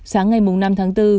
sáng ngày năm tháng bốn